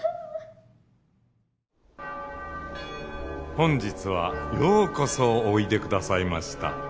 本日はようこそおいでくださいました。